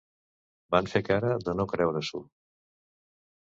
Van fer cara de no creure-s'ho.